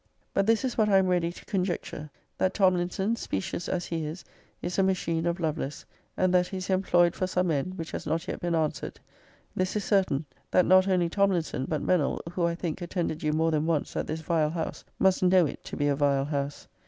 But this is what I am ready to conjecture, that Tomlinson, specious as he is, is a machine of Love >>> lace; and that he is employed for some end, which has not yet been answered. This is certain, that not only Tomlinson, but Mennell, who, I think, attended you more than once at this vile house, must know it to be a vile house.